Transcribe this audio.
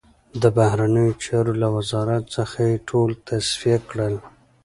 د بهرنیو چارو له وزارت څخه یې ټول تصفیه کړل.